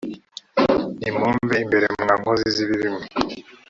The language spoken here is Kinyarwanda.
nimumve imbere mwa nkozi z’ibibi mwe